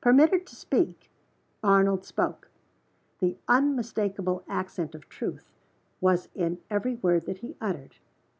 Permitted to speak, Arnold spoke. The unmistakable accent of truth was in every word that he uttered.